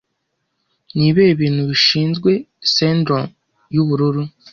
Ni ibihe bintu bishinzwe syndrome yubururu